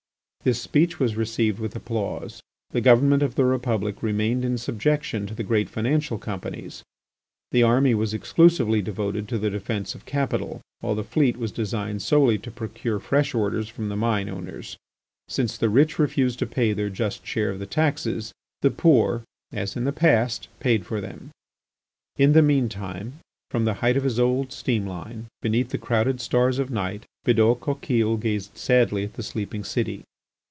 This speech was received with applause. The government of the Republic remained in subjection to the great financial companies, the army was exclusively devoted to the defence of capital, while the fleet was designed solely to procure fresh orders for the mine owners. Since the rich refused to pay their just share of the taxes, the poor, as in the past, paid for them. In the mean time from the height of his old steamline, beneath the crowded stars of night, Bidault Coquille gazed sadly at the sleeping city.